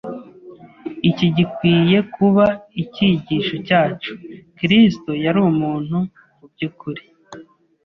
Iki gikwiye kuba icyigisho cyacu. Kristo yari umuntu mu by’ukuri;